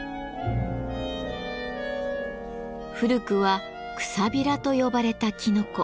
古くは「くさびら」と呼ばれたきのこ。